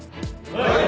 はい。